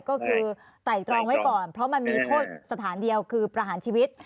ก็คือไต่ตรองไว้ก่อนเพราะมันมีโทษสถานเดียวคือประหารชีวิต